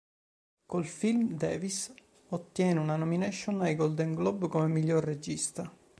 Col film Davis ottiene una nomination ai Golden Globe come miglior regista.